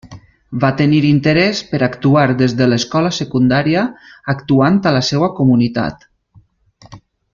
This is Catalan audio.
Va tenir interès per actuar des de l'escola secundària, actuant a la seva comunitat.